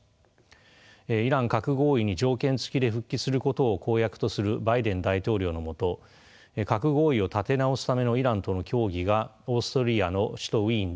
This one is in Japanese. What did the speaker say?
イラン核合意に条件付きで復帰することを公約とするバイデン大統領の下核合意を立て直すためのイランとの協議がオーストリアの首都ウィーンで進められています。